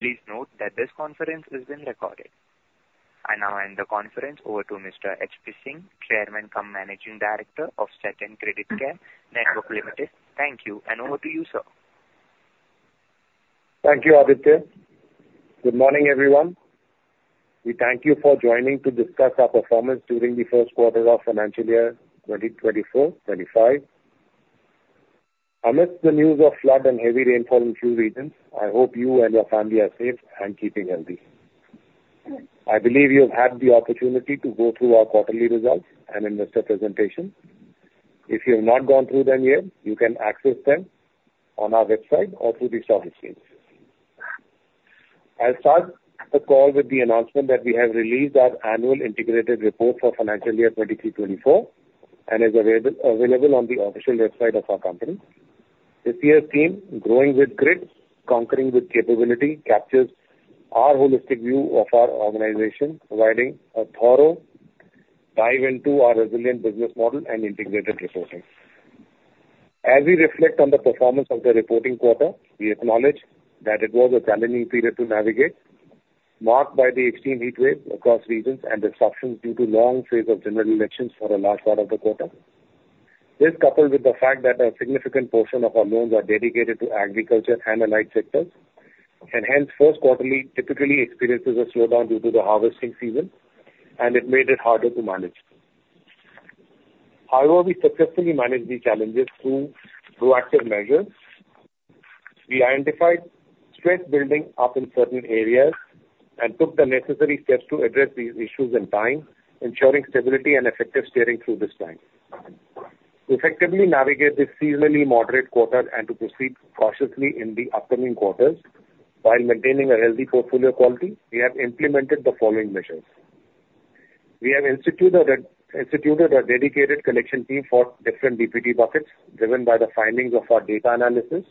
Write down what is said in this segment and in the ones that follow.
Please note that this conference is being recorded. I now hand the conference over to Mr. H. P. Singh, Chairman, Managing Director of Satin Creditcare Network Limited. Thank you, and over to you, sir. Thank you, Aditi. Good morning, everyone. We thank you for joining to discuss our performance during the first quarter of financial year 2024-2025. Amidst the news of flood and heavy rainfall in a few regions, I hope you and your family are safe and keeping healthy. I believe you have had the opportunity to go through our quarterly results and investor presentation. If you have not gone through them yet, you can access them on our website or through the stock exchanges. I'll start the call with the announcement that we have released our annual integrated report for financial year 2023-2024, and it's available on the official website of our company. This year's theme, "Growing with Grit: Conquering with Capability," captures our holistic view of our organization, providing a thorough dive into our resilient business model and integrated reporting. As we reflect on the performance of the reporting quarter, we acknowledge that it was a challenging period to navigate, marked by the extreme heat waves across regions and disruptions due to the long phase of general elections for a large part of the quarter. This, coupled with the fact that a significant portion of our loans are dedicated to agriculture and allied sectors, and hence, first quarter typically experiences a slowdown due to the harvesting season, and it made it harder to manage. However, we successfully managed these challenges through proactive measures. We identified stresses building up in certain areas and took the necessary steps to address these issues in time, ensuring stability and effective steering through this time. To effectively navigate this seasonally moderate quarter and to proceed cautiously in the upcoming quarters while maintaining a healthy portfolio quality, we have implemented the following measures. We have instituted a dedicated collection team for different DPD buckets, driven by the findings of our data analysis.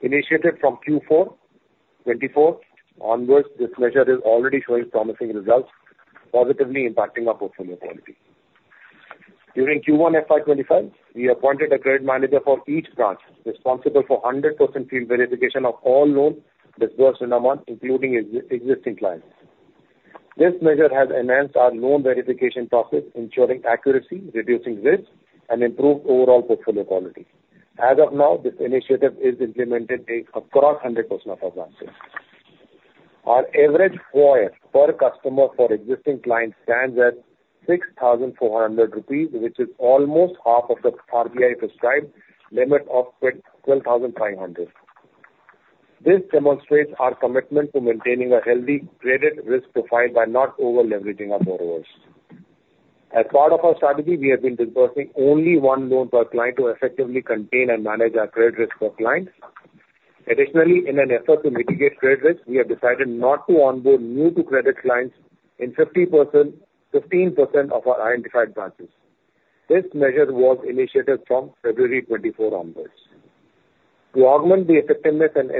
Initiated from Q4-2024 onwards, this measure is already showing promising results, positively impacting our portfolio quality. During Q1-FY-2025, we appointed a credit manager for each branch responsible for 100% field verification of all loans disbursed in a month, including existing clients. This measure has enhanced our loan verification process, ensuring accuracy, reducing risk, and improved overall portfolio quality. As of now, this initiative is implemented across 100% of our branches. Our average FOIR per customer for existing clients stands at 6,400 rupees, which is almost half of the RBI prescribed limit of 12,500. This demonstrates our commitment to maintaining a healthy credit risk profile by not over-leveraging our borrowers. As part of our strategy, we have been disbursing only one loan per client to effectively contain and manage our credit risk per client. Additionally, in an effort to mitigate credit risk, we have decided not to onboard new-to-credit clients in 15% of our identified branches. This measure was initiated from February 24, 2024 onwards. To augment the effectiveness and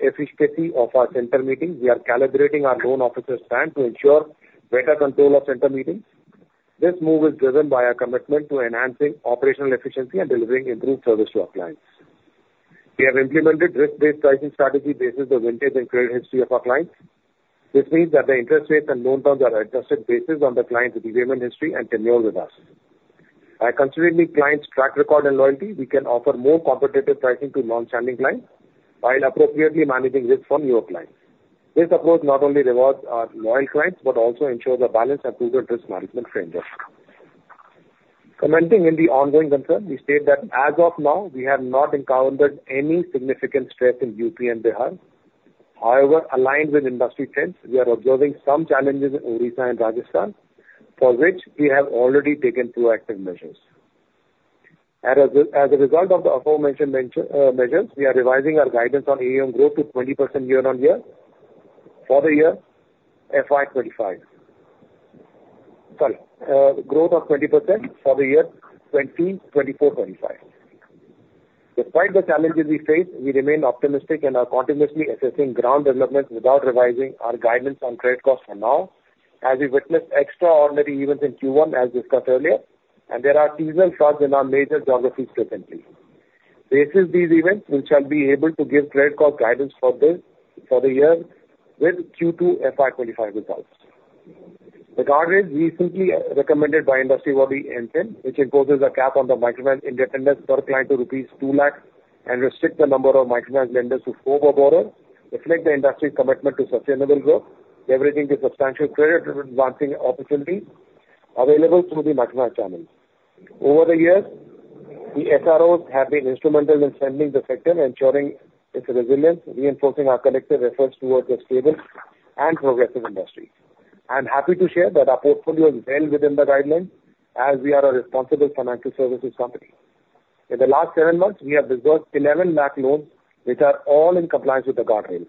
efficacy of our center meetings, we are calibrating our loan officer's plan to ensure better control of center meetings. This move is driven by our commitment to enhancing operational efficiency and delivering improved service to our clients. We have implemented risk-based pricing strategies based on the vintage and credit history of our clients. This means that the interest rates and loan terms are adjusted based on the client's repayment history and tenure with us. By considering clients' track record and loyalty, we can offer more competitive pricing to long-standing clients while appropriately managing risk for newer clients. This approach not only rewards our loyal clients but also ensures a balanced approved risk management framework. Commenting on the ongoing concern, we state that as of now, we have not encountered any significant stress in UP and Bihar. However, aligned with industry trends, we are observing some challenges in Odisha and Rajasthan, for which we have already taken proactive measures. As a result of the aforementioned measures, we are revising our guidance on AUM growth to 20% year-on-year for the year FY-2025, sorry, growth of 20% for the year 2024-2025. Despite the challenges we face, we remain optimistic and are continuously assessing ground developments without revising our guidance on credit costs for now, as we witness extraordinary events in Q1, as discussed earlier, and there are seasonal shocks in our major geographies presently. Based on these events, we shall be able to give credit cost guidance for the year with Q2 FY 2025 results. The guidance we simply recommended by Industry Body MFIN, which imposes a cap on the microfinance indebtedness per client to rupees 2 lakh` and restricts the number of microfinance lenders to four per quarter, reflects the industry's commitment to sustainable growth, leveraging the substantial credit advancing opportunities available through the microfinance channels. Over the years, the SROs have been instrumental in strengthening the sector, ensuring its resilience, reinforcing our collective efforts towards a stable and progressive industry. I'm happy to share that our portfolio is well within the guidelines, as we are a responsible financial services company. In the last 7 months, we have disbursed 11 lakh loans, which are all in compliance with the guardrails.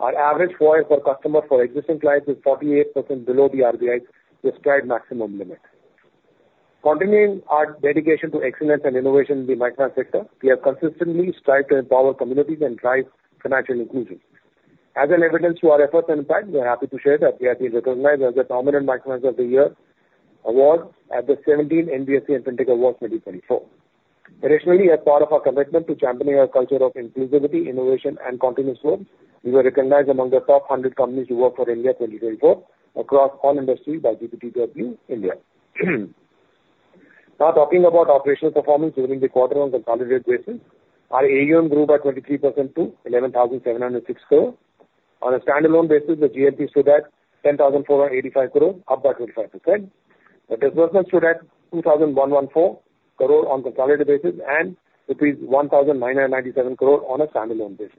Our average FOIR per customer for existing clients is 48% below the RBI's prescribed maximum limit. Continuing our dedication to excellence and innovation in the microfinance sector, we have consistently strived to empower communities and drive financial inclusion. As an evidence to our efforts and impact, we are happy to share that we have been recognized as the Dominant Microfinance of the Year award at the 17th NBFC Incentive Awards 2024. Additionally, as part of our commitment to championing our culture of inclusivity, innovation, and continuous growth, we were recognized among the top 100 companies to work for India 2024 across all industries by GPTW India. Now, talking about operational performance during the quarter on a consolidated basis, our AUM grew by 23% to 11,706 crore. On a standalone basis, the GLP stood at 10,485 crore, up by 25%. The disbursement stood at 2,114 crore on a consolidated basis and 1,997 crore on a standalone basis.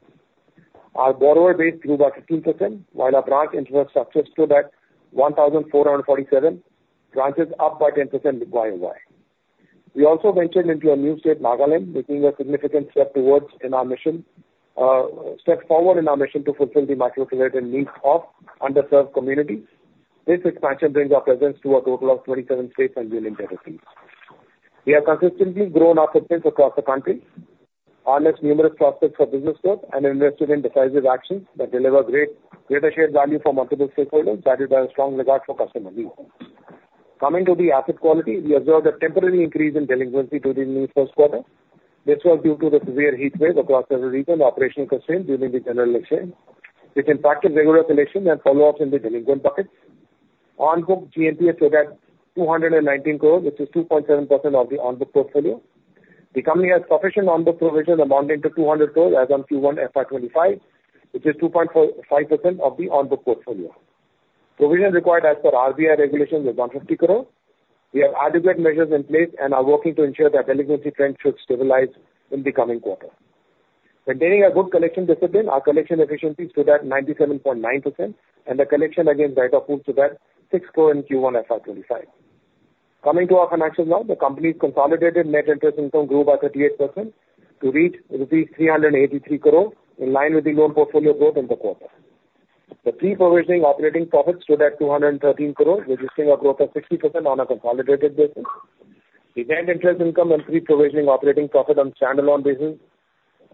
Our borrower base grew by 15%, while our branch infrastructure stood at 1,447 branches, up by 10% year-on-year. We also ventured into a new state, Nagaland, making a significant step forward in our mission to fulfill the microcredit needs of underserved communities. This expansion brings our presence to a total of 27 states and Union Territories. We have consistently grown our footprint across the country, harnessed numerous prospects for business growth, and invested in decisive actions that deliver greater shared value for multiple stakeholders, guided by a strong regard for customer needs. Coming to the asset quality, we observed a temporary increase in delinquency during the first quarter. This was due to the severe heat wave across several regions and operational constraints during the general election, which impacted regular collection and follow-ups in the delinquent buckets. On-book GNP stood at 219 crore, which is 2.7% of the on-book portfolio. The company has sufficient on-book provision amounting to 200 crore, as on Q1 FY 2025, which is 2.5% of the on-book portfolio. Provision required as per RBI regulations is 150 crore. We have adequate measures in place and are working to ensure that delinquency trends should stabilize in the coming quarter. Maintaining a good collection discipline, our collection efficiency stood at 97.9%, and the collection against write-off pool stood at 6 crore in Q1 FY 2025. Coming to our financials now, the company's consolidated net interest income grew by 38% to rupees 383 crore, in line with the loan portfolio growth in the quarter. The pre-provisioning operating profit stood at 213 crore, registering a growth of 60% on a consolidated basis. The net interest income and pre-provisioning operating profit on standalone basis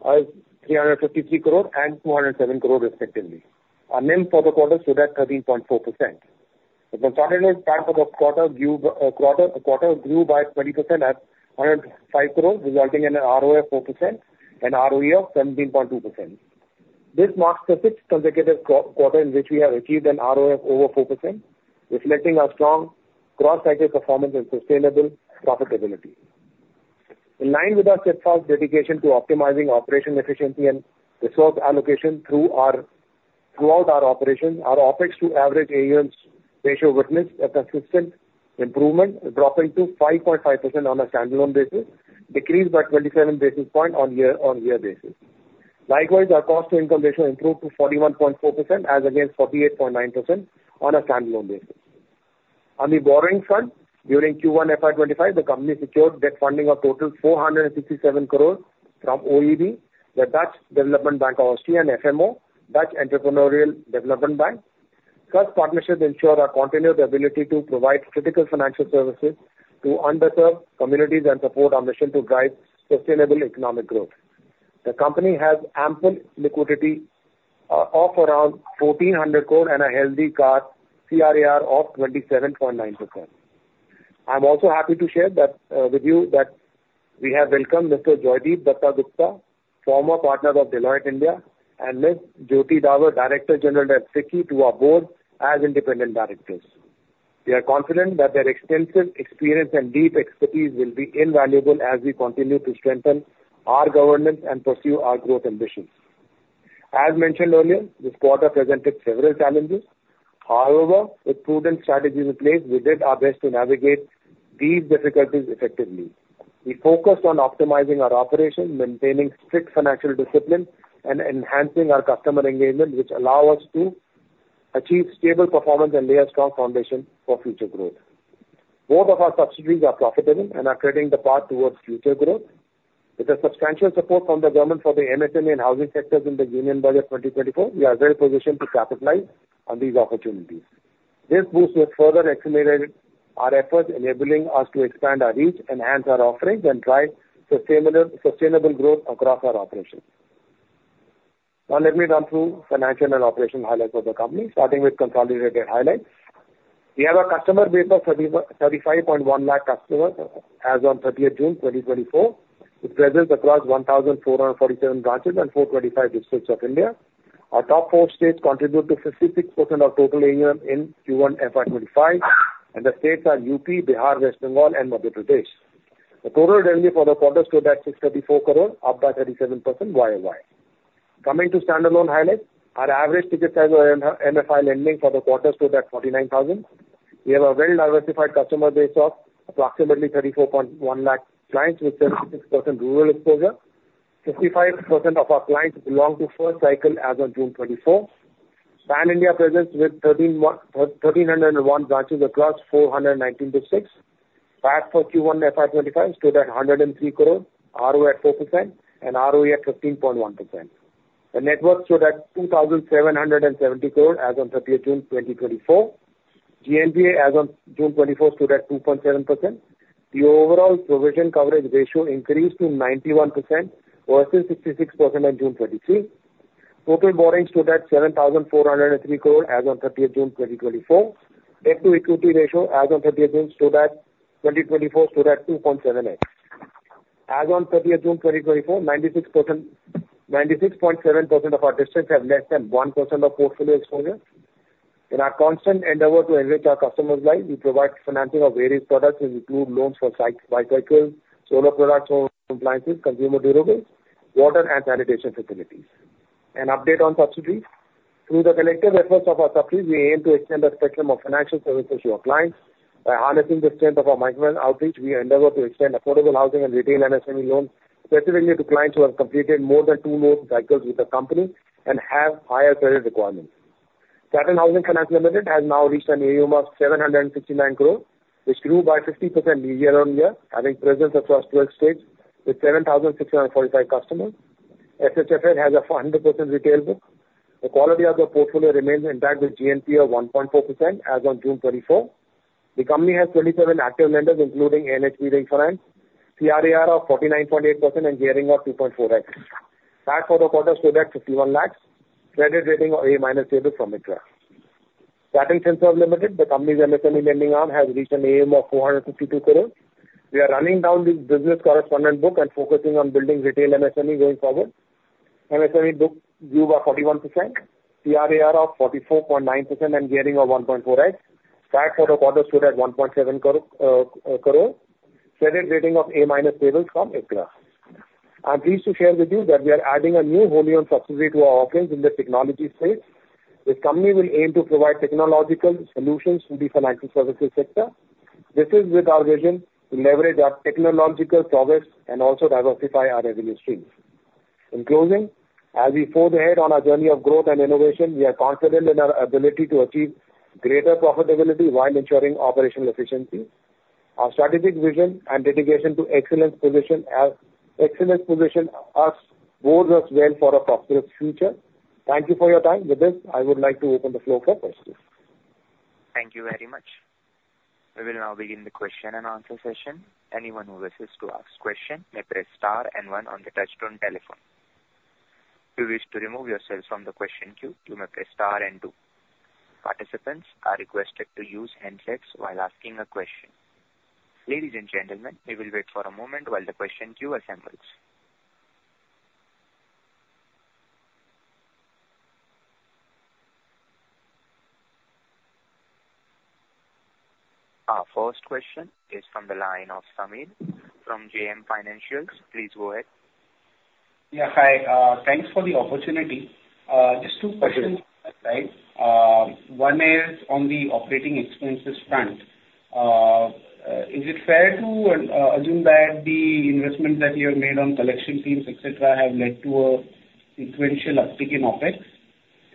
are 353 crore and 207 crore, respectively. Our NIM for the quarter stood at 13.4%. The consolidated PAT of the quarter grew by 20% at 105 crore, resulting in an ROA of 4% and ROE of 17.2%. This marks the fifth consecutive quarter in which we have achieved an ROE of over 4%, reflecting our strong cross-cycle performance and sustainable profitability. In line with our steadfast dedication to optimizing operational efficiency and resource allocation throughout our operations, our OpEx-to-average AUM ratio witnessed a consistent improvement, dropping to 5.5% on a standalone basis, decreased by 27 basis points on a year-on-year basis. Likewise, our cost-to-income ratio improved to 41.4%, as against 48.9% on a standalone basis. On the borrowing front, during Q1 FY 2025, the company secured debt funding of total 467 crore from OeEB, the Development Bank of Austria, and FMO, Dutch Entrepreneurial Development Bank. Such partnerships ensure our continued ability to provide critical financial services to underserved communities and support our mission to drive sustainable economic growth. The company has ample liquidity of around 1,400 crore and a healthy CAR of 27.9%. I'm also happy to share with you that we have welcomed Mr. Joydeep Datta Gupta, former partner of Deloitte India, and Ms. Jyoti Vij, Director General at FICCI, to our board as independent directors. We are confident that their extensive experience and deep expertise will be invaluable as we continue to strengthen our governance and pursue our growth ambitions. As mentioned earlier, this quarter presented several challenges. However, with prudent strategies in place, we did our best to navigate these difficulties effectively. We focused on optimizing our operations, maintaining strict financial discipline, and enhancing our customer engagement, which allow us to achieve stable performance and lay a strong foundation for future growth. Both of our subsidiaries are profitable and are cutting the path towards future growth. With the substantial support from the government for the MSME and housing sectors in the Union Budget 2024, we are well positioned to capitalize on these opportunities. This boost will further accelerate our efforts, enabling us to expand our reach, enhance our offerings, and drive sustainable growth across our operations. Now, let me run through financial and operational highlights of the company, starting with consolidated highlights. We have a customer base of 35.1 million customers as of 30 June 2024, with presence across 1,447 branches and 425 districts of India. Our top four states contribute to 56% of total AUM in Q1-FY-2025, and the states are UP, Bihar, West Bengal, and Madhya Pradesh. The total revenue for the quarter stood at 634 crore, up by 37% year-on-year. Coming to standalone highlights, our average ticket size of MFI lending for the quarter stood at 49,000. We have a well-diversified customer base of approximately 34.1 million clients, with 76% rural exposure. 55% of our clients belong to first cycle as of June 2024. Pan-India presence with 1,301 branches across 419 districts. PAT for Q1-FY-2025 stood at 103 crore, ROE at 4%, and ROE at 15.1%. The net worth stood at 2,770 crore as of 30th June 2024. GNPA as of June 2024 stood at 2.7%. The overall provision coverage ratio increased to 91% versus 66% in June 2023. Total borrowing stood at 7,403 crore as of 30th June 2024. Debt-to-equity ratio as of 30th June stood at 2024 stood at 2.7x. As of 30th June 2024, 96.7% of our districts have less than 1% of portfolio exposure. In our constant endeavor to enrich our customers' lives, we provide financing of various products, which include loans for bicycles, solar products, home appliances, consumer durables, water, and sanitation facilities. An update on subsidiaries. Through the collective efforts of our subsidiaries, we aim to extend the spectrum of financial services to our clients. By harnessing the strength of our microfinance outreach, we endeavor to extend affordable housing and retail MSME loans, specifically to clients who have completed more than two loan cycles with the company and have higher credit requirements. Satin Housing Finance Limited has now reached an AUM of 769 crore, which grew by 50% year-on-year, having presence across 12 states with 7,645 customers. SHFL has a 100% retail book. The quality of the portfolio remains intact with GNPA of 1.4% as of June 2024. The company has 27 active lenders, including NHB, CRAR of 49.8%, and Gearing of 2.4x. PAT for the quarter stood at 51 lakh, credit rating A- stable from ICRA. Satin Finserv Limited, the company's MSME lending arm, has reached an AUM of 452 crore rupees. We are running down the business correspondent book and focusing on building retail MSME going forward. MSME book grew by 41%, CRAR of 44.9%, and Gearing of 1.4x. PAT for the quarter stood at 1.7 crore, credit rating of A- stable from ICRA. I'm pleased to share with you that we are adding a new wholly-owned subsidiary to our offerings in the technology space. This company will aim to provide technological solutions to the financial services sector. This is with our vision to leverage our technological progress and also diversify our revenue streams. In closing, as we forge ahead on our journey of growth and innovation, we are confident in our ability to achieve greater profitability while ensuring operational efficiency. Our strategic vision and dedication to excellence positions us well for a prosperous future. Thank you for your time. With this, I would like to open the floor for questions. Thank you very much. We will now begin the question and answer session. Anyone who wishes to ask a question may press star and one on the touch-tone telephone. If you wish to remove yourself from the question queue, you may press star and two. Participants are requested to use handsets while asking a question. Ladies and gentlemen, we will wait for a moment while the question queue assembles. Our first question is from the line of Samir from JM Financial. Please go ahead. Yeah, hi. Thanks for the opportunity. Just two questions. One is on the operating expenses front. Is it fair to assume that the investment that you have made on collection teams, etc., have led to a sequential uptick in OpEx?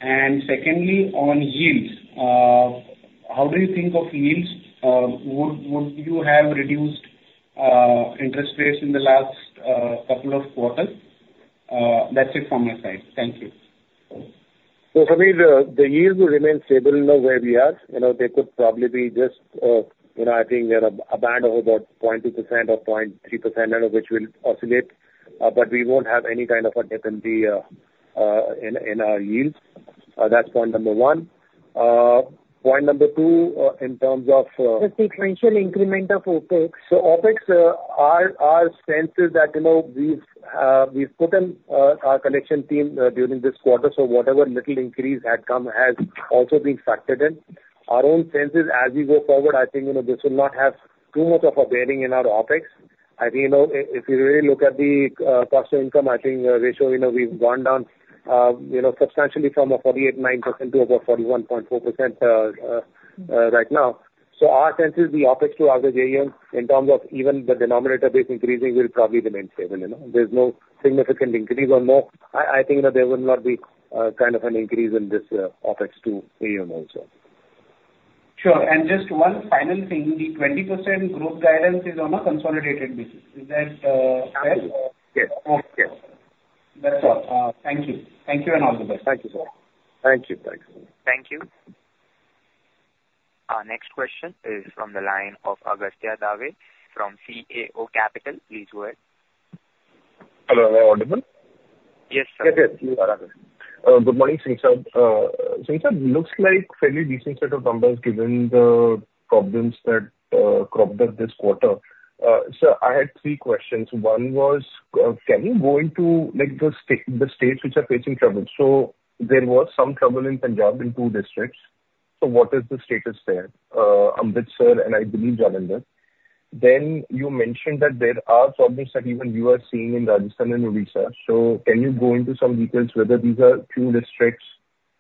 And secondly, on yields, how do you think of yields? Would you have reduced interest rates in the last couple of quarters? That's it from my side. Thank you. So for me, the yield will remain stable in the way we are. They could probably be just, I think, a band of about 0.2% or 0.3%, which will oscillate. But we won't have any kind of a dip in our yields. That's point number one. Point number two, in terms of... The sequential increment of OpEx. So OpEx, our sense is that we've put in our collection team during this quarter, so whatever little increase had come has also been factored in. Our own senses, as we go forward, I think this will not have too much of a bearing in our OpEx. I think if you really look at the cost-to-income, I think the ratio we've gone down substantially from 48.9% to about 41.4% right now. So our sense is the OpEx to average AUM, in terms of even the denominator-based increasing, will probably remain stable. There's no significant increase or no. I think there will not be kind of an increase in this OpEx to AUM also. Sure. And just one final thing. The 20% growth guidance is on a consolidated basis. Is that fair? Yes. Yes. That's all. Thank you. Thank you and all the best. Thank you, sir. Thank you. Thank you. Thank you. Our next question is from the line of Agastya Dave from CAO Capital. Please go ahead. Hello. Hello, audible? Yes, sir. Yes, yes. Good morning, Singh sahab. Singh sahab looks like a fairly decent set of numbers given the problems that cropped up this quarter. Sir, I had three questions. One was, can you go into the states which are facing trouble? So there was some trouble in Punjab in two districts. So what is the status there? Amritsar and, I believe, Jalandhar. Then you mentioned that there are problems that even you are seeing in Rajasthan and Odisha. So can you go into some details whether these are two districts?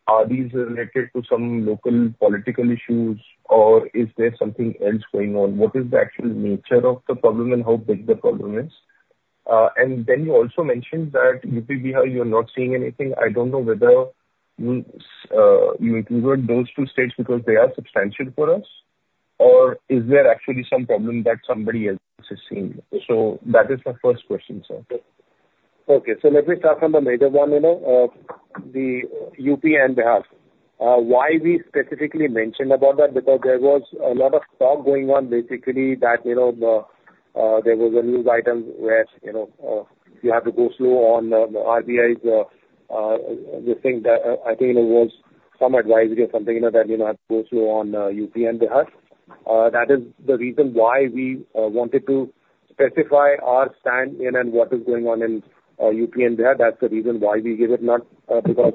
Are these related to some local political issues, or is there something else going on? What is the actual nature of the problem and how big the problem is? And then you also mentioned that UP Bihar you are not seeing anything. I don't know whether you included those two states because they are substantial for us, or is there actually some problem that somebody else is seeing? So that is my first question, sir. Okay. So let me start from the major one. The UP and Bihar. Why we specifically mentioned about that? Because there was a lot of talk going on, basically, that there was a news item where you have to go slow on the RBI's thing. I think there was some advisory or something that you have to go slow on UP and Bihar. That is the reason why we wanted to specify our stand in and what is going on in UP and Bihar. That's the reason why we gave it, not because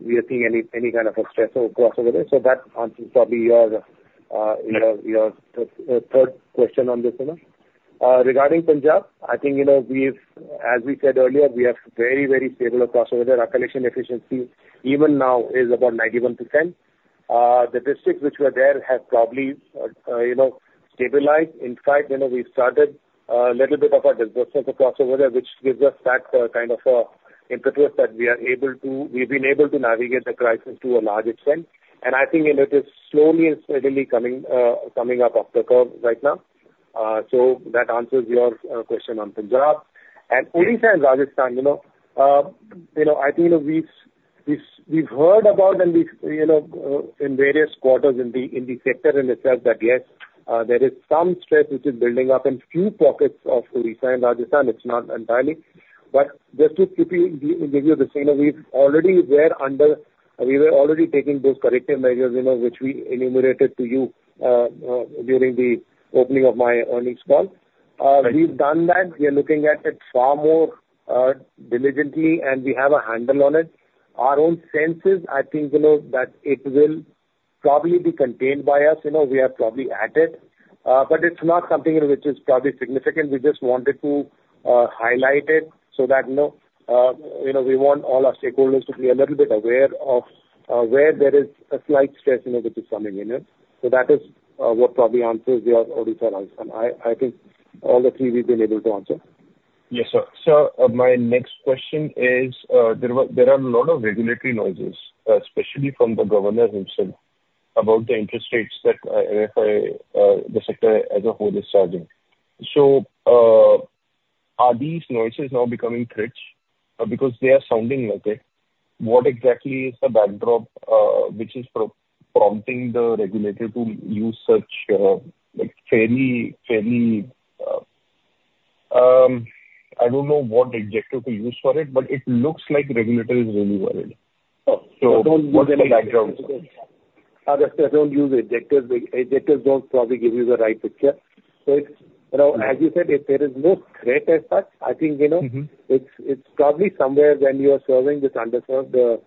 we are seeing any kind of a stress or crossover. So that answers probably your third question on this. Regarding Punjab, I think, as we said earlier, we are very, very stable across over there. Our collection efficiency, even now, is about 91%. The districts which were there have probably stabilized. In fact, we've started a little bit of a disbursement across over there, which gives us that kind of impetus that we've been able to navigate the crisis to a large extent. And I think it is slowly and steadily coming up off the curve right now. So that answers your question on Punjab. Odisha and Rajasthan, I think we've heard about, and in various quarters in the sector in itself, that yes, there is some stress which is building up in a few pockets of Odisha and Rajasthan. It's not entirely. But just to give you the scenario, we were already taking those corrective measures, which we enumerated to you during the opening of my earnings call. We've done that. We are looking at it far more diligently, and we have a handle on it. Our own senses, I think, that it will probably be contained by us. We are probably at it. But it's not something which is probably significant. We just wanted to highlight it so that we want all our stakeholders to be a little bit aware of where there is a slight stress which is coming in. So that is what probably answers your Odisha and Rajasthan. I think all the three we've been able to answer. Yes, sir. So my next question is, there are a lot of regulatory noises, especially from the governor himself, about the interest rates that the sector as a whole is charging. So are these noises now becoming cringe? Because they are sounding like it. What exactly is the backdrop which is prompting the regulator to use such fairly I don't know what adjective to use for it, but it looks like the regulator is really worried. So what's the background? I don't use adjectives. Adjectives don't probably give you the right picture. So as you said, if there is no threat as such, I think it's probably somewhere when you are serving these underserved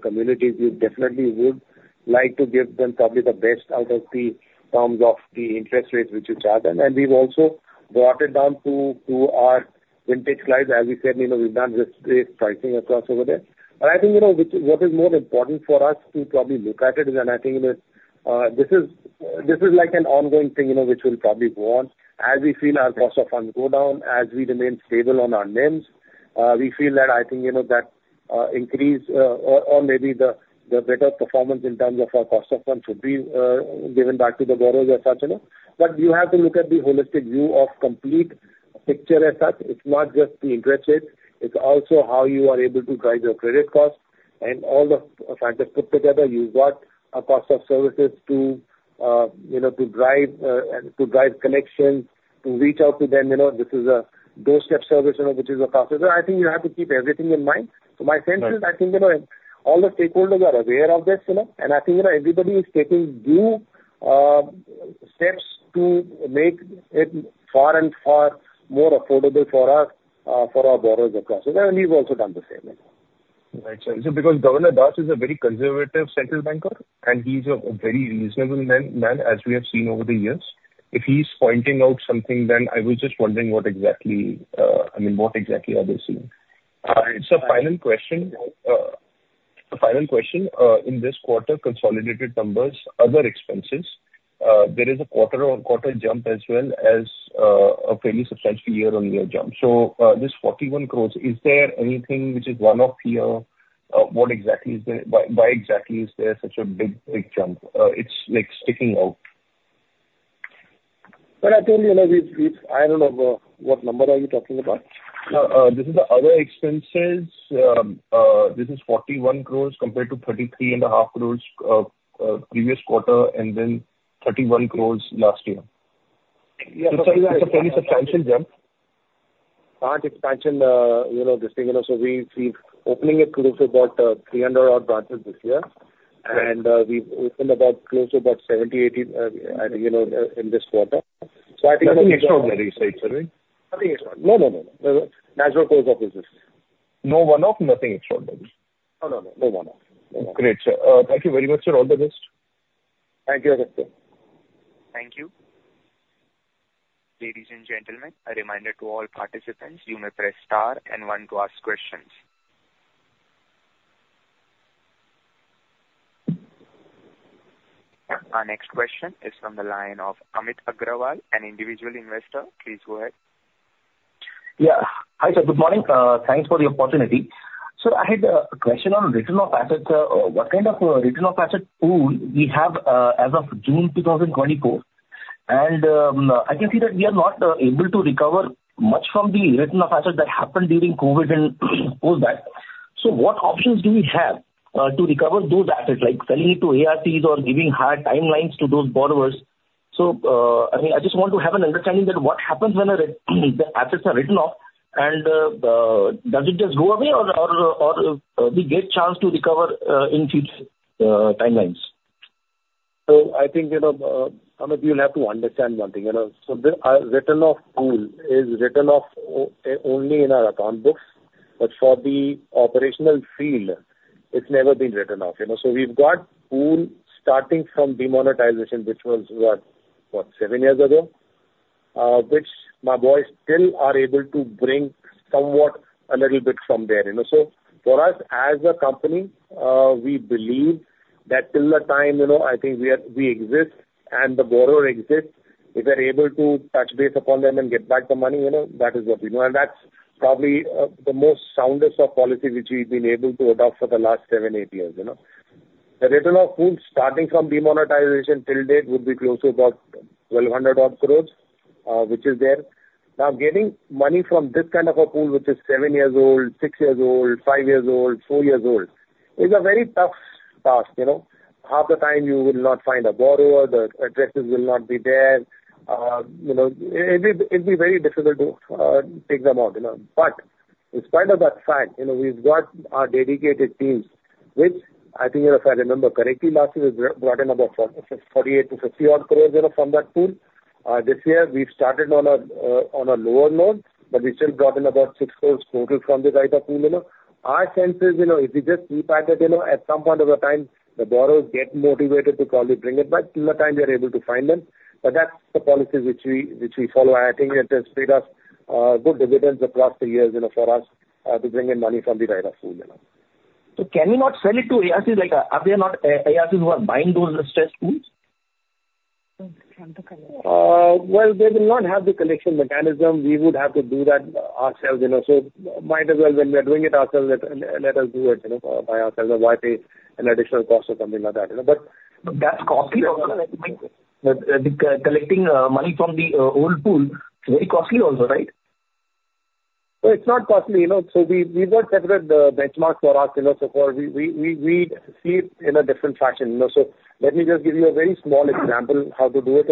communities, you definitely would like to give them probably the best out of the terms of the interest rates which you charge. And we've also brought it down to our vintage clients. As we said, we've done risk-based pricing across over there. But I think what is more important for us to probably look at it is, and I think this is like an ongoing thing which will probably go on. As we feel our cost of funds go down, as we remain stable on our NIMs, we feel that I think that increase or maybe the better performance in terms of our cost of funds should be given back to the borrowers as such. But you have to look at the holistic view of the complete picture as such. It's not just the interest rates. It's also how you are able to drive your credit costs. And all the factors put together, you've got a cost of services to drive collection, to reach out to them. This is a doorstep service which is a cost. So I think you have to keep everything in mind. So my sense is, I think all the stakeholders are aware of this. And I think everybody is taking new steps to make it far and far more affordable for our borrowers across over there. And we've also done the same. Right. So because Governor Das is a very conservative central banker, and he's a very reasonable man, as we have seen over the years. If he's pointing out something, then I was just wondering what exactly I mean, what exactly are they seeing? It's a final question. The final question. In this quarter, consolidated numbers, other expenses, there is a quarter-on-quarter jump as well as a fairly substantial year-on-year jump. So this 41 crore, is there anything which is one-off here? What exactly is there? Why exactly is there such a big, big jump? It's sticking out. But I told you, I don't know what number are you talking about. This is the other expenses. This is 41 crore compared to 33.5 crore previous quarter and then 31 crore last year. So it's a fairly substantial jump. Plant expansion, this thing. So we're opening it close to about 300-odd branches this year. And we've opened about close to about 70, 80 in this quarter. So I think nothing extraordinary, sir. Nothing extraordinary. No, no, no. Natural cause of resistance. No one-off? Nothing extraordinary. No, no, no. No one-off. No one-off. Great, sir. Thank you very much, sir. All the best. Thank you, Agastya. Thank you. Ladies and gentlemen, a reminder to all participants, you may press star and one to ask questions. Our next question is from the line of Amit Agrawal, an individual investor. Please go ahead. Yeah. Hi, sir. Good morning. Thanks for the opportunity. So I had a question on written-off assets. What kind of written-off asset pool we have as of June 2024? And I can see that we are not able to recover much from the written-off assets that happened during COVID and all that. So what options do we have to recover those assets, like selling it to ARCs or giving higher timelines to those borrowers? So I mean, I just want to have an understanding that what happens when the assets are written off, and does it just go away, or do we get a chance to recover in future timelines? So I think, Amit, you'll have to understand one thing. So our run-off pool is written off only in our accounting books. But for the operational field, it's never been written off. So we've got pool starting from demonetization, which was what, 7 years ago, which my boys still are able to bring somewhat a little bit from there. So for us, as a company, we believe that till the time I think we exist and the borrower exists, if we're able to touch base upon them and get back the money, that is what we do. That's probably the most soundest of policies which we've been able to adopt for the last 7, 8 years. The write-off pool starting from demonetization till date would be close to about 1,200-odd crores, which is there. Now, getting money from this kind of a pool, which is 7 years old, 6 years old, 5 years old, 4 years old, is a very tough task. Half the time, you will not find a borrower. The addresses will not be there. It'll be very difficult to take them out. But in spite of that fact, we've got our dedicated teams, which I think, if I remember correctly, last year we brought in about 48 crore-50 crores from that pool. This year, we've started on a lower loan, but we still brought in about 6 crores total from the write-off pool. Our sense is, if you just keep at it, at some point of the time, the borrowers get motivated to probably bring it back till the time we are able to find them. But that's the policy which we follow. I think it has paid us good dividends across the years for us to bring in money from the write-off pool. So can we not sell it to ARCs? Are there not ARCs who are buying those stress pools? Well, they will not have the collection mechanism. We would have to do that ourselves. So might as well, when we are doing it ourselves, let us do it by ourselves. Why pay an additional cost or something like that? But that's costly. Collecting money from the old pool, it's very costly also, right? Well, it's not costly. So we've got separate benchmarks for us. So far, we see it in a different fashion. So let me just give you a very small example of how to do it.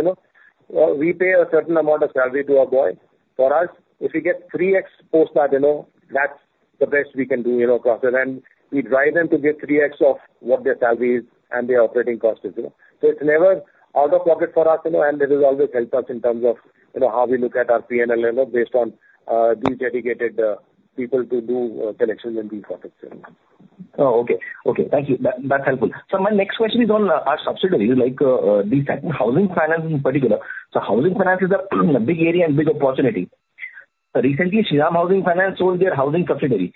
We pay a certain amount of salary to our boy. For us, if we get 3x post that, that's the best we can do across there. And we drive them to get 3x of what their salary is and their operating cost is. So it's never out of pocket for us. And it has always helped us in terms of how we look at our P&L based on these dedicated people to do collection in these markets. Oh, okay. Okay. Thank you. That's helpful. So my next question is on our subsidiaries, like these housing finance in particular. So housing finance is a big area and big opportunity. Recently, Shriram Housing Finance sold their housing subsidiary.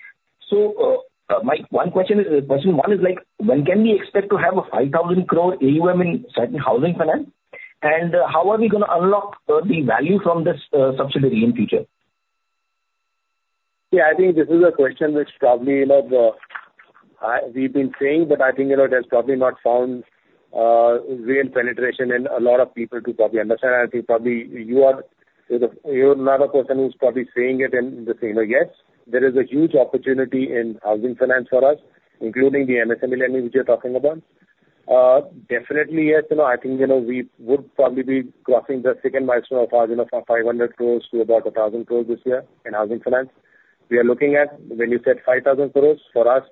So my one question is, question one is, when can we expect to have 5,000 crore AUM in Satin Housing Finance? And how are we going to unlock the value from this subsidiary in future? Yeah, I think this is a question which probably we've been saying, but I think it has probably not found real penetration in a lot of people to probably understand. I think probably you are another person who's probably saying it in the same. Yes, there is a huge opportunity in housing finance for us, including the MSME lending which you're talking about. Definitely, yes. I think we would probably be crossing the second milestone of our 500 crore to about 1,000 crore this year in housing finance. We are looking at, when you said 5,000 crore, for us,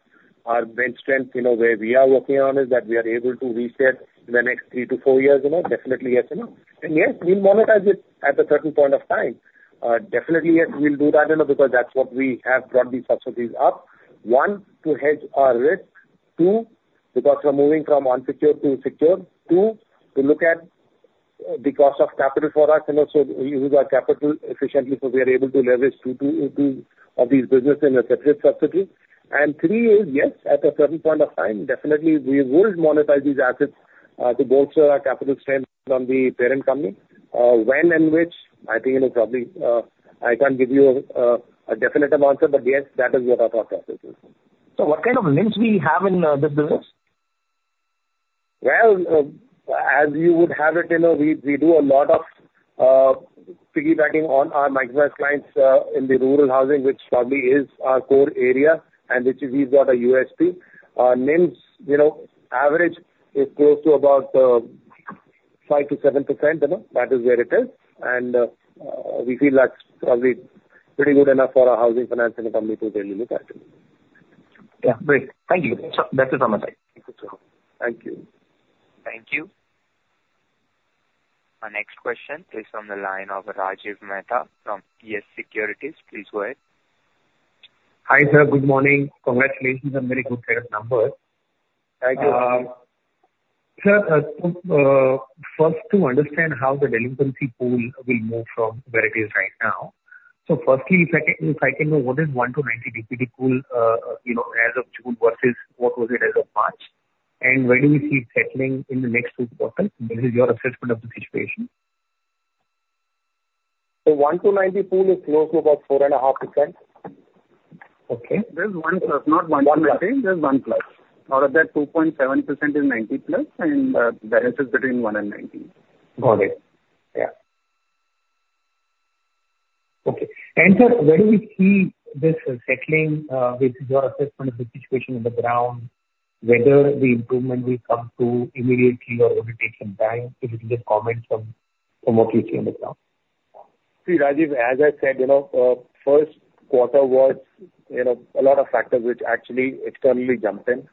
our bench strength, where we are working on, is that we are able to reset in the next 3 years-4 years. Definitely, yes. And yes, we'll monetize it at a certain point of time. Definitely, yes, we'll do that because that's what we have brought these subsidiaries up. One, to hedge our risk. Two, because we're moving from unsecured to secured. Two, to look at the cost of capital for us. So we use our capital efficiently so we are able to leverage two of these businesses in a separate subsidiary. And three is, yes, at a certain point of time, definitely, we will monetize these assets to bolster our capital strength on the parent company. When and which, I think it will probably I can't give you a definitive answer, but yes, that is what our thought process is. So what kind of LTVs do we have in this business? Well, as you would have it, we do a lot of piggybacking on our microfinance clients in the rural housing, which probably is our core area, and which we've got a USP. LTVs average is close to about 5%-7%. That is where it is. And we feel that's probably pretty good enough for our housing finance in the company to really look at it. Yeah. Great. Thank you. That's it from my side. Thank you, sir. Thank you. Thank you. Our next question is from the line of Rajiv Mehta from YES Securities. Please go ahead. Hi, sir. Good morning. Congratulations on very good set of numbers. Thank you. Sir, first, to understand how the delinquency pool will move from where it is right now. So firstly, if I can know, what is 1 DPD-90 DPD pool as of June versus what was it as of March? And where do we see it settling in the next two quarters? This is your assessment of the situation. So 1-90 pool is close to about 4.5%. Okay. There's 1+. Not 1 to 90. 1 to 90. There's 1+. Out of that, 2.7% is 90 plus, and the balance is between 1 and 90. Got it. Yeah. Okay. And sir, where do we see this settling with your assessment of the situation on the ground, whether the improvement will come through immediately or will it take some time? If you can just comment from what you see on the ground. See, Rajiv, as I said, first quarter was a lot of factors which actually externally jumped in.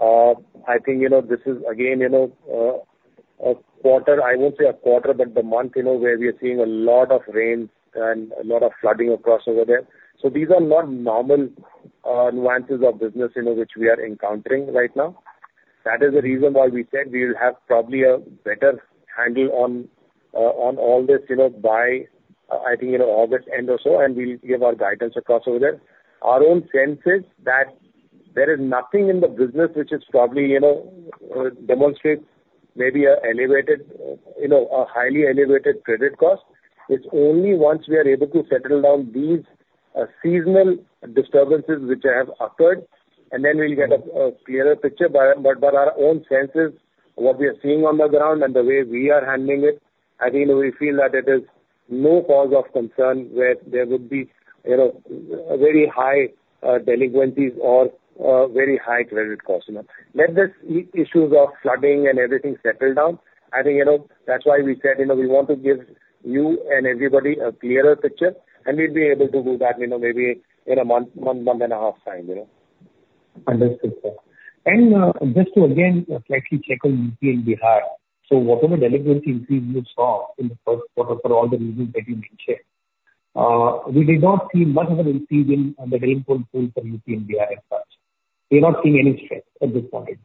I think this is, again, a quarter I won't say a quarter, but the month where we are seeing a lot of rains and a lot of flooding across over there. So these are not normal nuances of business which we are encountering right now. That is the reason why we said we will have probably a better handle on all this by, I think, August end or so, and we'll give our guidance across over there. Our own sense is that there is nothing in the business which probably demonstrates maybe a highly elevated credit cost. It's only once we are able to settle down these seasonal disturbances which have occurred, and then we'll get a clearer picture. But by our own senses, what we are seeing on the ground and the way we are handling it, I think we feel that it is no cause of concern where there would be very high delinquencies or very high credit costs. Let the issues of flooding and everything settle down. I think that's why we said we want to give you and everybody a clearer picture, and we'll be able to do that maybe in a month, month and a half time. Understood, sir. And just to, again, slightly check on UP and Bihar. So whatever delinquency increase you saw in the first quarter for all the reasons that you mentioned, we did not see much of an increase in the delinquent pool for UP and Bihar as such. We're not seeing any stress at this point in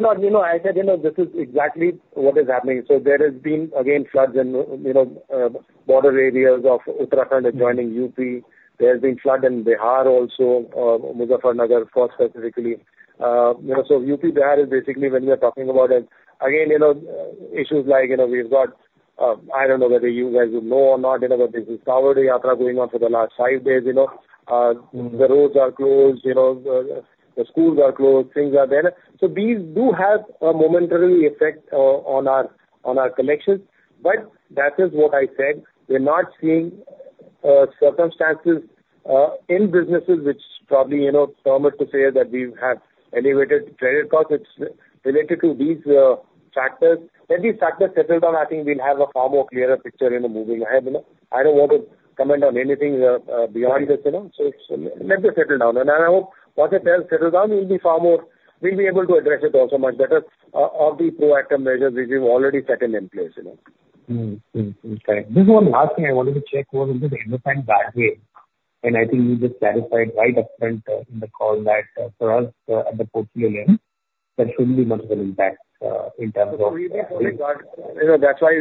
time. Well, I said this is exactly what is happening. So there has been, again, floods in border areas of Uttarakhand adjoining UP. There has been flood in Bihar also, Muzaffarnagar, specifically. So UP, Bihar is basically when we are talking about it. Again, issues like we've got, I don't know whether you guys will know or not, but there's this Kanwar Yatra going on for the last five days. The roads are closed. The schools are closed. Things are there. So these do have a momentary effect on our collections. But that is what I said. We're not seeing circumstances in businesses which probably permit to say that we have elevated credit costs. It's related to these factors. When these factors settle down, I think we'll have a far more clearer picture moving ahead. I don't want to comment on anything beyond this. So let this settle down. I hope once it settles down, we'll be far more able to address it also much better with the proactive measures which we've already set in place. Correct. Just one last thing I wanted to check was on the end-of-term guardrail. I think you just clarified right up front in the call that for us at the portfolio level, there shouldn't be much of an impact in terms of. So we've been following guardrails. That's why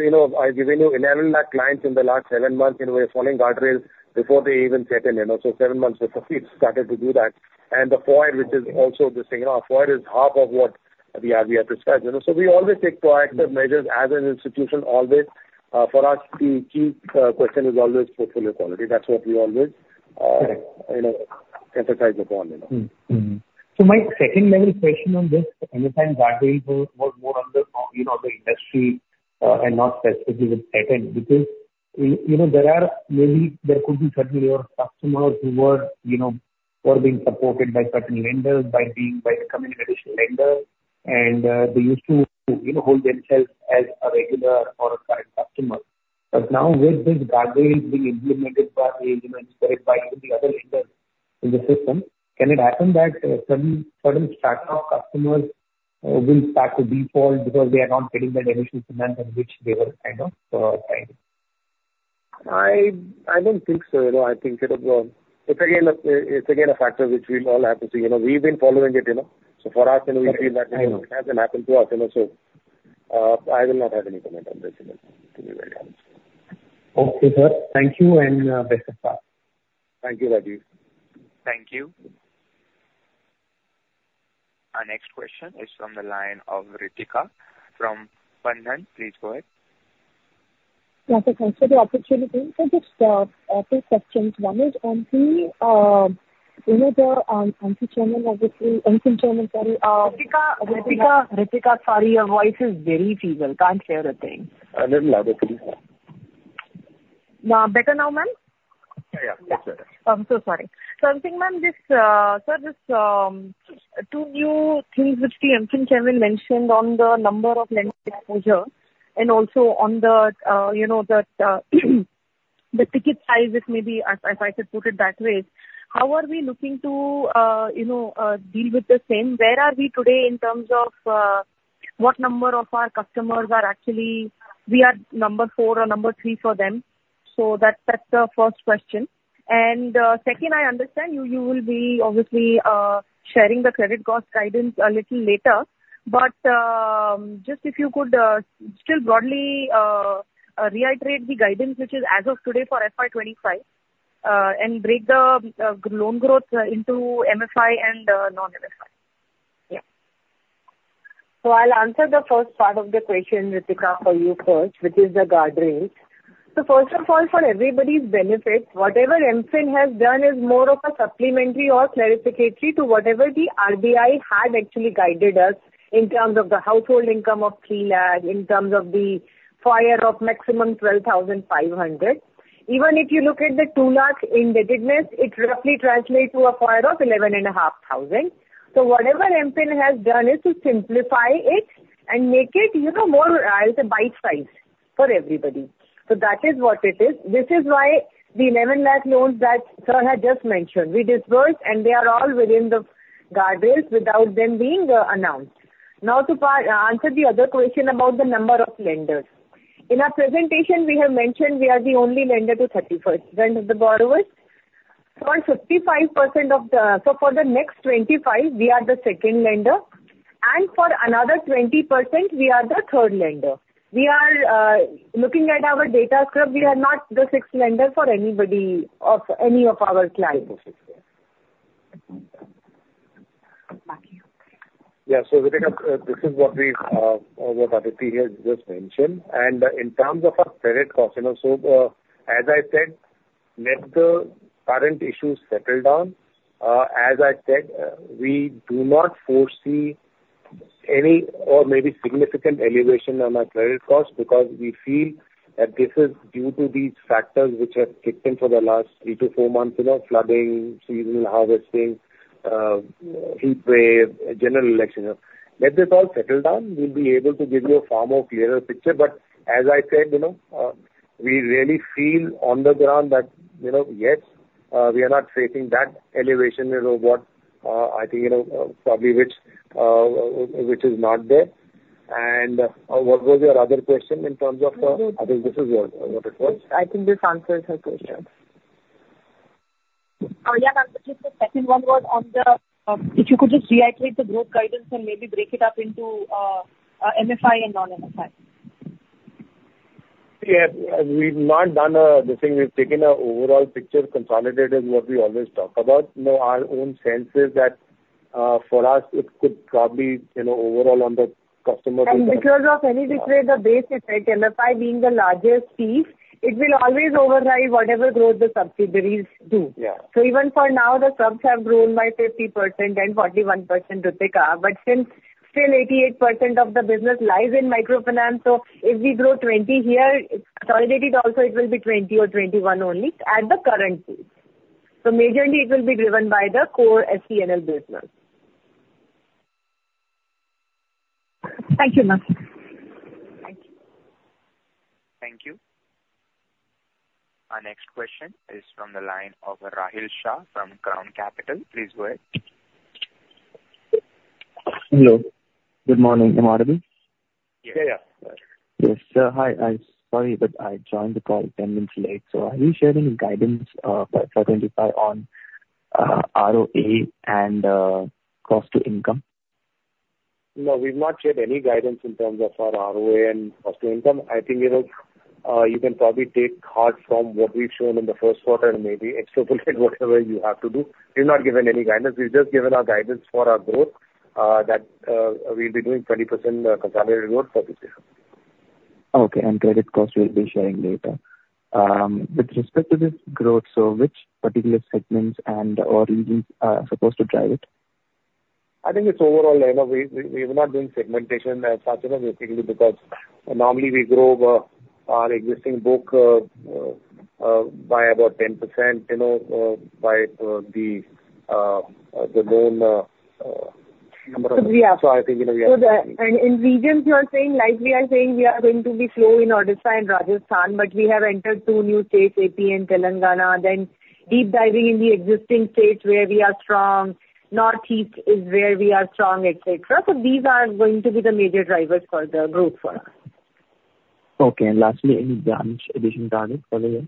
I've given you 11 lakh clients in the last seven months. We're following guardrails before they even set in. So seven months, we've started to do that. And the FOIR, which is also the thing, our FOIR is half of what we have discussed. So we always take proactive measures as an institution, always. For us, the key question is always portfolio quality. That's what we always emphasize upon. So my second-level question on this end-of-time guardrail was more under the industry and not specifically the patent because there are maybe there could be certainly customers who were being supported by certain lenders, by the communication lenders, and they used to hold themselves as a regular or a current customer. But now, with this guardrail being implemented by the agents or by even the other lenders in the system, can it happen that a sudden start of customers will start to default because they are not getting the deduction finance on which they were kind of trying? I don't think so. I think it's again a factor which we'll all have to see. We've been following it. So for us, we feel that it hasn't happened to us. So I will not have any comment on this, to be very honest. Okay, sir. Thank you and best of luck. Thank you, Rajiv. Thank you. Our next question is from the line of Rikita from Purnartha. Please go ahead. Thank you for the opportunity. So just a couple of questions. One is on the and obviously, and sorry. Rikita, Rikita, Rikita, sorry, your voice is very feeble. Can't hear a thing. A little louder, please. Better now, ma'am? Yeah, it's better. I'm so sorry. So I'm thinking, ma'am, sir, there's two new things which the management mentioned on the number of lending exposure and also on the ticket size, if maybe if I could put it that way. How are we looking to deal with the same? Where are we today in terms of what number of our customers are actually we are number four or number three for them? So that's the first question. Second, I understand you will be obviously sharing the credit cost guidance a little later. Just if you could still broadly reiterate the guidance, which is as of today for FY 2025, and break the loan growth into MFI and non-MFI. Yeah. So I'll answer the first part of the question, Rithika, for you first, which is the guardrails. So first of all, for everybody's benefits, whatever MFIN has done is more of a supplementary or clarificatory to whatever the RBI had actually guided us in terms of the household income of 3 lakh, in terms of the FOIR of maximum 12,500. Even if you look at the 2 lakh indebtedness, it roughly translates to a FOIR of 11,500. So whatever MFIN has done is to simplify it and make it more, I'll say, bite-sized for everybody. So that is what it is. This is why the 11 lakh loans that Sir had just mentioned, we disbursed, and they are all within the guardrails without them being announced. Now, to answer the other question about the number of lenders, in our presentation, we have mentioned we are the only lender to 31% of the borrowers. For 55% of the so for the next 25, we are the second lender. And for another 20%, we are the third lender. We are looking at our data scrub. We are not the sixth lender for any of our clients. Yeah. So Rikita, this is what we've what Aditi has just mentioned. And in terms of our credit cost, so as I said, let the current issues settle down. As I said, we do not foresee any, or maybe significant, elevation on our credit cost because we feel that this is due to these factors which have kicked in for the last 3 months-4 months: flooding, seasonal harvesting, heat wave, general election. Let this all settle down. We'll be able to give you a far more clearer picture. But as I said, we really feel on the ground that, yes, we are not facing that elevation of what I think probably which is not there. And what was your other question in terms of this is what it was? I think this answers her question. Oh, yeah. Just the second one was on, if you could just reiterate the growth guidance and maybe break it up into MFI and non-MFI. Yeah. We've not done the thing; we've taken an overall picture. Consolidated is what we always talk about. Our own sense is that for us, it could probably overall on the customer basis. And because of any which way, the base effect, MFI being the largest piece, it will always override whatever growth the subsidiaries do. So even for now, the subs have grown by 50% and 41%, Rikita. But since still 88% of the business lies in microfinance, so if we grow 20 here, consolidated also, it will be 20 or 21 only at the current pools. So majorly, it will be driven by the core SPNL business. Thank you, ma'am. Thank you. Thank you. Our next question is from the line of Rahil Shah from Crown Capital. Please go ahead. Hello. Good morning. Am I audible? Yeah. Yeah, yeah. Yes, sir. Hi. I'm sorry, but I joined the call 10 minutes late. So are you sharing guidance by FY 2025 on ROA and cost to income? No, we've not shared any guidance in terms of our ROA and cost to income. I think you can probably take heart from what we've shown in the first quarter and maybe extrapolate whatever you have to do. We've not given any guidance. We've just given our guidance for our growth that we'll be doing 20% consolidated growth for this year. Okay. And credit cost, we'll be sharing later. With respect to this growth, so which particular segments and/or regions are supposed to drive it? I think it's overall. We're not doing segmentation as such, basically, because normally we grow our existing book by about 10% by the loan number of. So I think we are still. In regions, you are saying like we are saying we are going to be slow in Odisha and Rajasthan, but we have entered two new states, AP and Telangana, then deep diving in the existing states where we are strong, Northeast is where we are strong, etc. So these are going to be the major drivers for the growth for us. Okay. And lastly, any branch addition target for the year?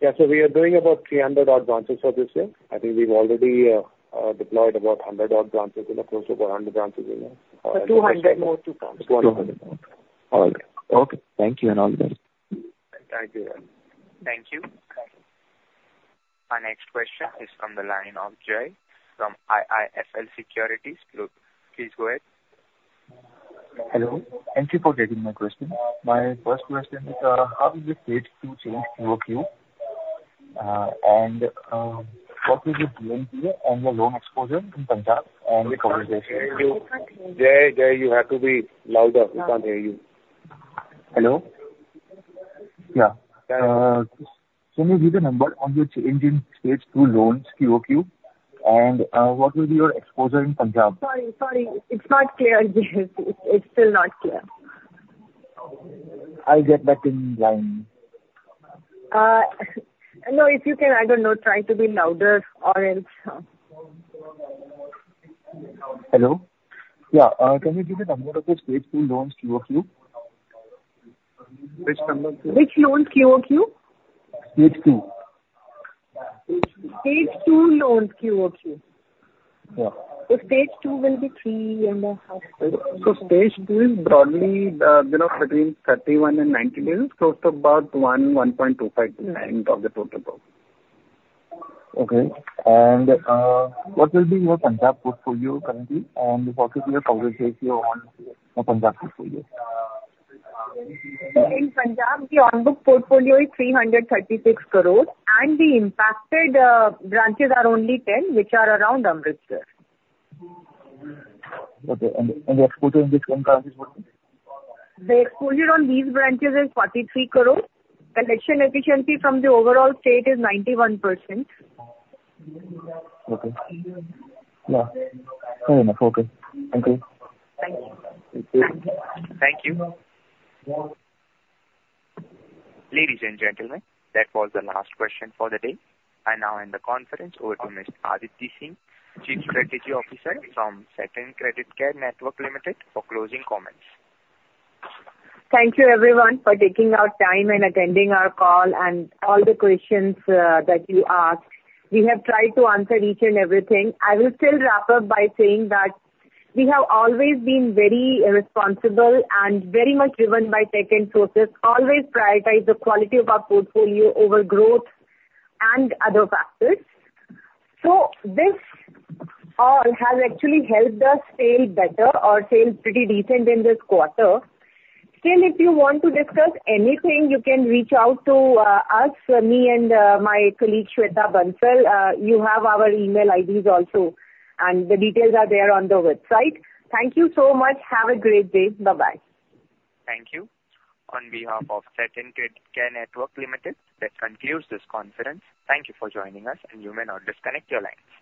Yeah. So we are doing about 300-odd branches for this year. I think we've already deployed about 100-odd branches in approach of 100 branches in the next 200 more, 200 more. All right. Okay. Thank you and all the best. Thank you. Thank you. Our next question is from the line of Jay from IIFL Securities. Please go ahead. Hello. Thank you for taking my question. My first question is how does it fit to change QOQ? What is the GNPA and the loan exposure in Punjab and the conversation? Jay, Jay, you have to be louder. We can't hear you. Hello? Yeah. Can you give the number on your change in stage two loans QOQ? And what will be your exposure in Punjab? Sorry, sorry. It's not clear. It's still not clear. I'll get back in line. No, if you can, I don't know, try to be louder or else. Hello? Yeah. Can you give the number of the stage two loans QOQ? Which number? Which loans QOQ? Stage two. Stage two loans QOQ. So stage two will be 3.5. So stage two is broadly between 31 DPD-90 DPD to about 1.25% of the total growth. Okay. What will be your Punjab portfolio currently? And what is your conversation on Punjab portfolio? In Punjab, the on-book portfolio is 336 crore. The impacted branches are only 10, which are around Amritsar. Okay. And the exposure in which one branches would be? The exposure on these branches is 43 crore. Collection efficiency from the overall state is 91%. Okay. Yeah. Fair enough. Okay. Thank you. Thank you. Thank you. Thank you. Ladies and gentlemen, that was the last question for the day. I now hand the conference over to Ms. Aditi Singh, Chief Strategy Officer from Satin Creditcare Network Limited, for closing comments. Thank you, everyone, for taking our time and attending our call and all the questions that you asked. We have tried to answer each and everything. I will still wrap up by saying that we have always been very responsible and very much driven by tech and sources, always prioritize the quality of our portfolio over growth and other factors. So this all has actually helped us fare better or fare pretty decent in this quarter. Still, if you want to discuss anything, you can reach out to us, me and my colleague, Shweta Bansal. You have our email IDs also, and the details are there on the website. Thank you so much. Have a great day. Bye-bye. Thank you. On behalf of Satin Creditcare Network Limited, that concludes this conference. Thank you for joining us, and you may now disconnect your lines.